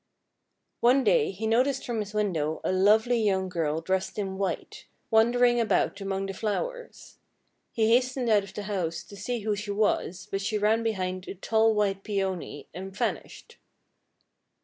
One day he noticed from his window a lovely young girl dressed in white, wandering about among the flowers. He hastened out of the house to see who she was, but she ran behind a tall white Peony, and vanished.